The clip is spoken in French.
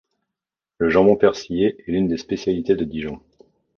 Le jambon persillé est l'une des spécialités de Dijon.